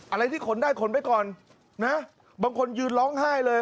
อะไรที่ขนได้ขนไปก่อนนะบางคนยืนร้องไห้เลย